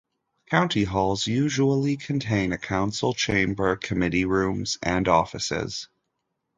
County Halls usually contain a council chamber, committee rooms and offices.